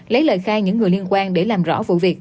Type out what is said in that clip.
lấy lời khai những người liên quan để làm rõ vụ việc